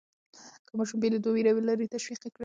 که ماشوم بېلېدو وېره لري، تشویق یې کړئ.